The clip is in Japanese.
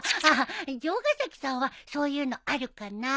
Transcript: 城ヶ崎さんはそういうのあるかなって。